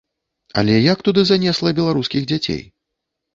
Але як туды занесла беларускіх дзяцей?